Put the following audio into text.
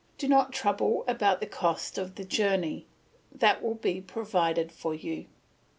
Do not trouble about the cost of the journey, that will be provided for you.